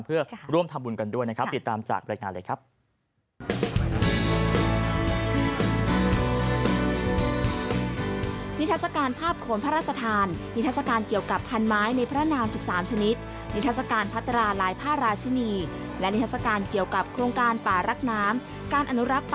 เพื่อร่วมทำบุญกันด้วยนะครับติดตามจากรายงานเลยครับ